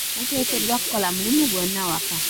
Tateekeddwa kukola mulimu gwanno awaka.